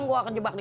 ya ada jepang